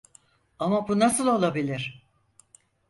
Ama bu nasıl olabilir?